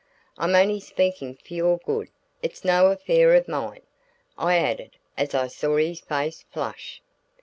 I'm only speaking for your good; it's no affair of mine," I added as I saw his face flush.